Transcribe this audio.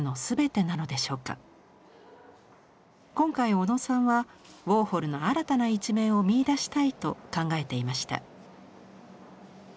今回小野さんはウォーホルの新たな一面を見いだしたいと考えていました。